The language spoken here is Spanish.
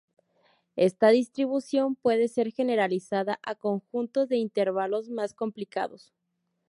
Esta distribución puede ser generalizada a conjuntos de intervalos más complicados.